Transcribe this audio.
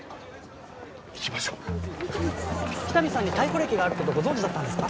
行きましょう喜多見さんに逮捕歴があることをご存じだったんですか？